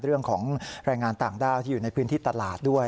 เรื่องของแรงงานต่างด้าวที่อยู่ในพื้นที่ตลาดด้วย